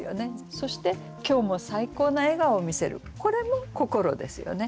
そして「今日も最高な笑顔を見せる」これも「心」ですよね。